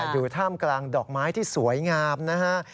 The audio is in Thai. อยู่ท่ามกลางดอกไม้ที่สวยงามนะฮะ